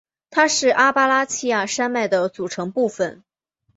它们是阿巴拉契亚山脉的组成部分。